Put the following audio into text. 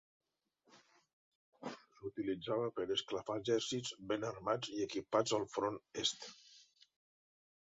S'utilitzava per a esclafar exèrcits ben armats i equipats al Front Est.